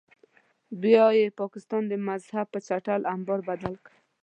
بیا یې پاکستان د مذهب په چټل امبار بدل کړ.